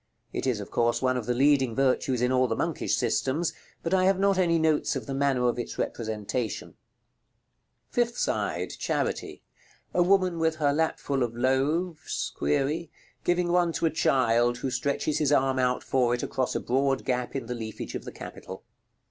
It is, of course, one of the leading virtues in all the monkish systems, but I have not any notes of the manner of its representation. § LXXXII. Fifth side. Charity. A woman with her lap full of loaves(?), giving one to a child, who stretches his arm out for it across a broad gap in the leafage of the capital.